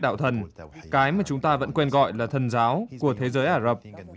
đạo thần cái mà chúng ta vẫn quen gọi là thần giáo của thế giới ả rập